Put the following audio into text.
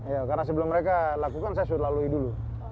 ya karena sebelum mereka lakukan saya sudah lalui dulu